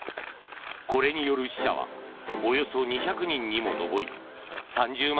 これによる死者はおよそ２００人にも上り３０万